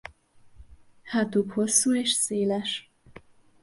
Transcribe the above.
Hátuk hosszú és széles.